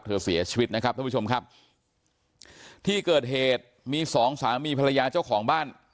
เสียชีวิตนะครับท่านผู้ชมครับที่เกิดเหตุมีสองสามีภรรยาเจ้าของบ้าน